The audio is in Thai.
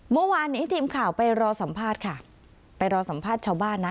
เมื่อวานนี้ทีมข่าวไปรอสัมภาษณ์ค่ะไปรอสัมภาษณ์ชาวบ้านนะ